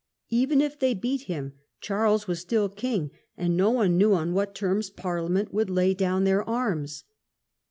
Even if they beat him Charles was still king, and no one knew on what terms Parliament would lay down their arms.